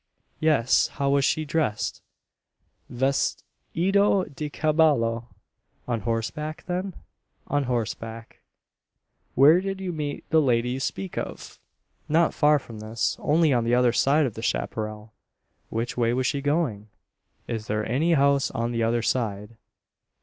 "Yes; how was she dressed?" "Vestido de caballo." "On horseback, then?" "On horseback." "Where did you meet the lady you speak of?" "Not far from this; only on the other side of the chapparal." "Which way was she going? Is there any house on the other side?"